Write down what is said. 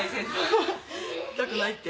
痛くないって。